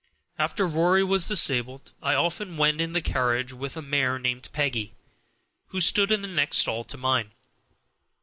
After Rory was disabled I often went in the carriage with a mare named Peggy, who stood in the next stall to mine.